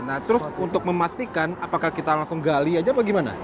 nah terus untuk memastikan apakah kita langsung gali aja apa gimana